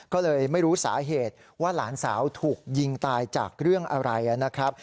ก็เลยไม่รู้สาเหตุว่าหลานสาวถูกยิงตายจากเรื่องอะไรนะครับ